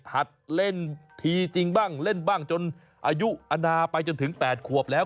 เล่นทีจริงบ้างเล่นบ้างจนอายุอนาไปจนถึง๘ขวบแล้ว